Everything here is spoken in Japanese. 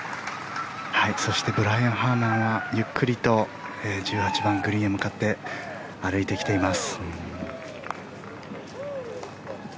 そしてブライアン・ハーマンはゆっくりと１８番グリーンへ向かって歩いてきています。